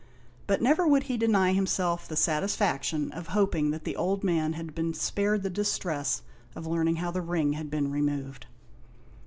But never would he deny himself the satisfaction of hoping that the old man had been spared the distress of learning how the ring had been removed.